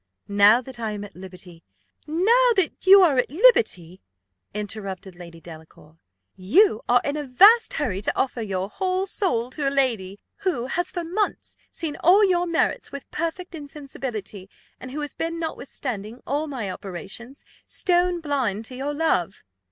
Now that I am at liberty " "Now that you are at liberty," interrupted Lady Delacour, "you are in a vast hurry to offer your whole soul to a lady, who has for months seen all your merits with perfect insensibility, and who has been, notwithstanding all my operations, stone blind to your love."